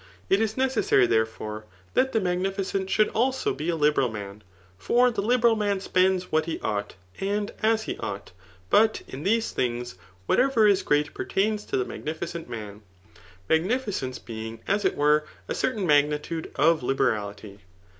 It is necessary^ thereibrer that the magnificent should also be a liberal man ; for the Hberal man spends what he ought, and as he ought. But in these things whatever is great per tains to the magnificent man, magnificence being as it were a certain magnitude of liberality.